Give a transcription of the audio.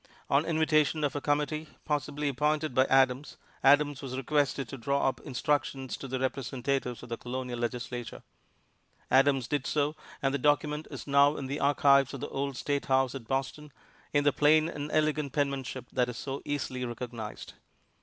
On invitation of a committee, possibly appointed by Adams, Adams was requested to draw up instructions to the Representatives in the Colonial Legislature. Adams did so and the document is now in the archives of the old State House at Boston, in the plain and elegant penmanship that is so easily recognized.